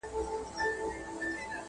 اوښان ډوب سول د ځانو په اندېښنو کي،